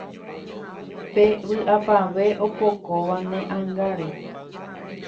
Pe vy'apavẽ opokóva ne ángare